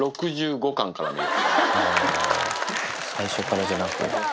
最初からじゃなく。